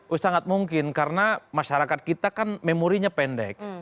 oh sangat mungkin karena masyarakat kita kan memorinya pendek